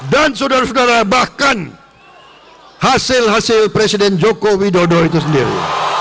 dan saudara saudara bahkan hasil hasil presiden joko widodo itu sendiri